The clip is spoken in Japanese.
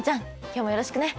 今日もよろしくね。